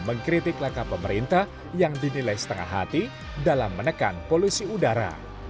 mengkritik laka pemerintah yang dinilai setengah hati dalam menekan polusi udara